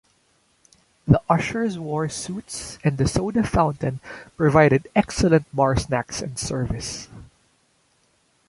The ushers wore suits and the soda fountain provided excellent bar snacks and service.